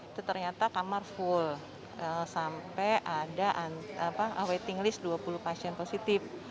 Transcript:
itu ternyata kamar full sampai ada waiting list dua puluh pasien positif